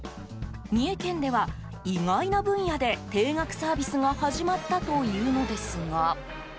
三重県では、意外な分野で定額サービスが始まったというのですが。